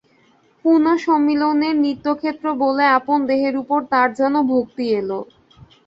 পুণ্যসম্মিলনের নিত্যক্ষেত্র বলে আপন দেহের উপর তার যেন ভক্তি এল।